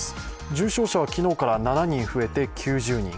重症者は昨日から７人増えて９０人。